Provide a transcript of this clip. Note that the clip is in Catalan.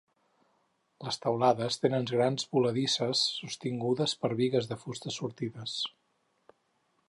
Les teulades tenen grans voladisses sostingudes per bigues de fusta sortides.